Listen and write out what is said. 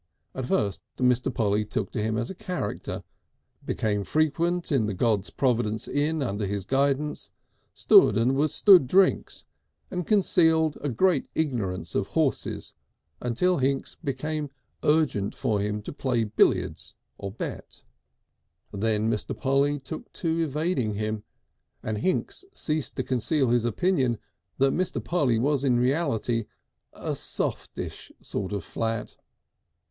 At first Mr. Polly took to him as a character, became frequent in the God's Providence Inn under his guidance, stood and was stood drinks and concealed a great ignorance of horses until Hinks became urgent for him to play billiards or bet. Then Mr. Polly took to evading him, and Hinks ceased to conceal his opinion that Mr. Polly was in reality a softish sort of flat.